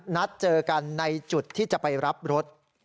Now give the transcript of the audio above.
นัดเจอกันในจุดที่จะไปรับรถ